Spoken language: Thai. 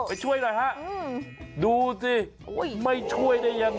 ไปช่วยหน่อยฮะดูสิไม่ช่วยได้ยังไง